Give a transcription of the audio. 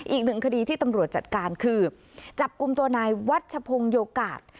อีกหนึ่งคดีที่ตำรวจจัดการคือจับกลุ่มตัวนายวัชพงศ์โยกาศ